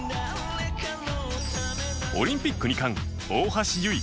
オリンピック２冠大橋悠依